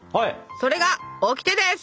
それがオキテです！